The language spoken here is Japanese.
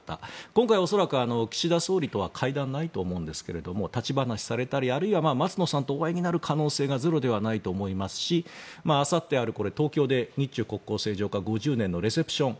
今回恐らく、岸田総理とは会談、ないと思うんですが立ち話をされたりあるいは松野さんとお会いになる可能性がゼロではないと思いますしあさってある東京で日中国交正常化５０年のレセプション